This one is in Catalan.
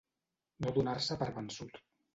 No donar-se per vençut.